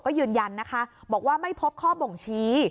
ก็ยืนยันนะคะบอกว่าไม่พบข้อบ่งชี้